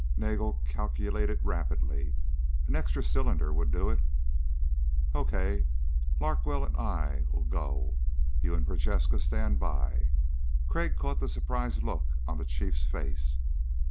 Nagel calculated rapidly. "An extra cylinder would do it." "Okay, Larkwell and I'll go. You and Prochaska stand by." Crag caught the surprised look on the Chief's face.